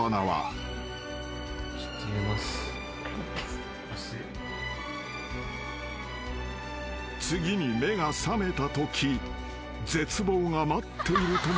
［次に目が覚めたとき絶望が待っているとも知らずに］